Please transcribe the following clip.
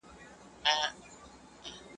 o پلار دي د ږيري سره راته ولاړ و، ما ور نه کی.